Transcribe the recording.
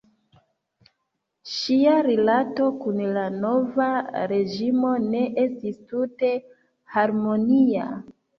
Ŝia rilato kun la nova reĝimo ne estis tute harmonia.